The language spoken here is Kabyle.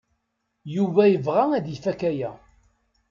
Yuba yebɣa ad ifak aya.